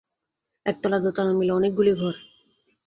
একতলা দোতলা মিলে অনেকগুলি ঘর।